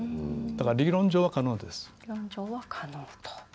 だから、理論上は可能です。